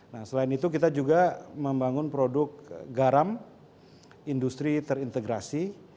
nah selain itu kita juga membangun produk garam industri terintegrasi